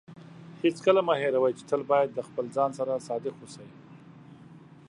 هیڅکله مه هېروئ چې تل باید د خپل ځان سره صادق اوسئ.